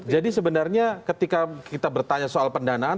jadi sebenarnya ketika kita bertanya soal pendanaan